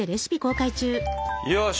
よし！